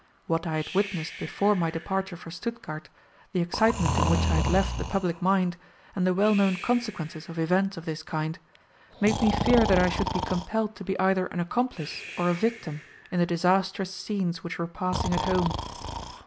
What I had witnessed before my departure for Stuttgart, the excitement in which I had left the public mind, and the well known consequences of events of this kind, made me fear that I should be compelled to be either an accomplice or a victim in the disastrous scenes which were passing at home.